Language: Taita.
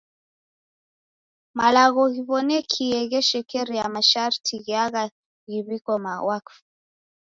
Malagho ghiw'onekie gheshekeria masharti gheagha ghiw'iko wakfu.